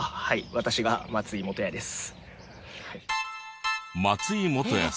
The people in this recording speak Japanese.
私が松井元哉です。